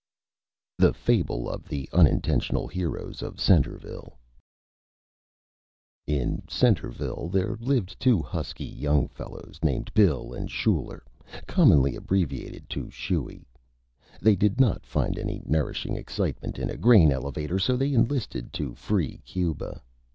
_ THE FABLE OF THE UNINTENTIONAL HEROES OF CENTREVILLE In Centreville there lived two husky Young Fellows named Bill and Schuyler commonly abbreviated to Schuy. They did not find any nourishing Excitement in a Grain Elevator, so they Enlisted to Free Cuba.